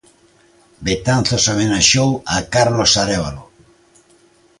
Betanzos homenaxeou a Carlos Arévalo.